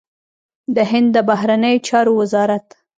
د هند د بهرنيو چارو وزارت